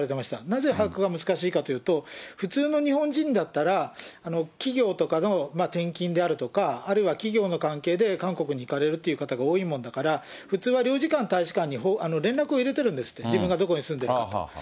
なぜ把握が難しいかというと、普通の日本人だったら企業とかの転勤であるとか、あるいは企業の関係で韓国に行かれるという方が多いもんだから、普通は領事館、大使館に連絡を入れてるんですって、自分がどこに住んでるかとか。